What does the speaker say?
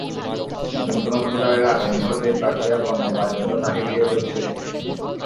নতুন কোনো ভোটারের আগমন ঘটলেই প্রার্থীরা পঙ্গপালের মতো তাঁকে ঘিরে ধরছিলেন।